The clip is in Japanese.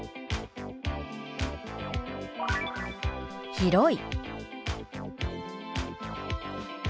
「広い」。